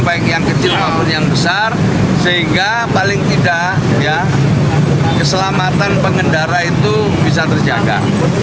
baik yang kecil maupun yang besar sehingga paling tidak keselamatan pengendara itu bisa terjaga